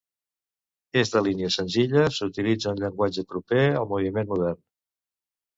És de línies senzilles, utilitza un llenguatge proper al moviment modern.